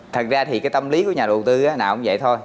thật ra thì cái tâm lý của nhà đầu tư nào cũng vậy thôi